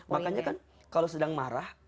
makanya kan kalau sedang marah